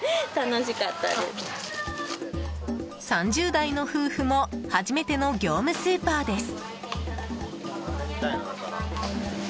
３０代の夫婦も初めての業務スーパーです。